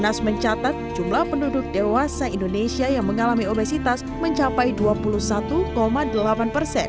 dinas mencatat jumlah penduduk dewasa indonesia yang mengalami obesitas mencapai dua puluh satu delapan persen